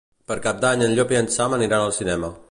Per Cap d'Any en Llop i en Sam aniran al cinema.